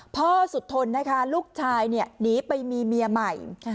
พ่อสุดทนนะคะลูกชายหนีไปมีเมียใหม่